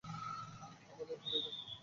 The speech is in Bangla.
আমাদের ভুলে যা।